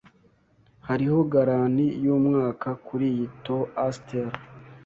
Hariho garanti yumwaka kuriyi toasteri.